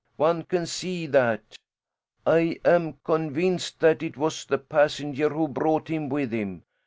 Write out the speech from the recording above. One can see that. I am convinced that it was the passenger who brought him with him.